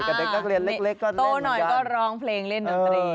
ตัวหน่อยก็ร้องเพลงเล่นดนตรี